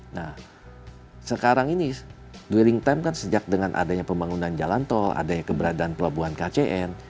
nah sekarang ini dwering time kan sejak dengan adanya pembangunan jalan tol adanya keberadaan pelabuhan kcn